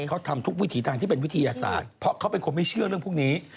เขาทำทุกวิถีทางที่เป็นวิทยาศาสตร์เพราะเขาเป็นคนไม่เชื่อเรื่องพวกนี้